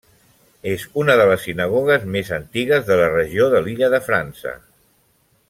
És una de les sinagogues més antigues de la regió de l'illa de França.